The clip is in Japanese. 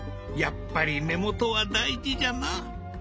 やっぱり目元は大事じゃな。